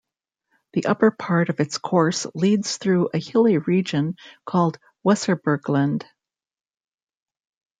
The upper part of its course leads through a hilly region called the Weserbergland.